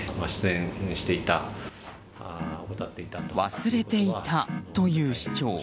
忘れていたと言う市長。